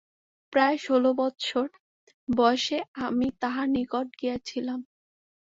প্রায় ষোল বৎসর বয়সে আমি তাঁহার নিকট গিয়াছিলাম।